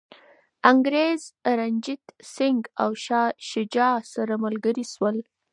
انګریز، رنجیت سنګ او شاه شجاع سره ملګري شول.